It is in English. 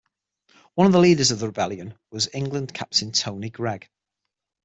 One of the leaders of the "rebellion" was England captain Tony Greig.